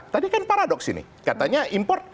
tadi kan paradoks ini katanya import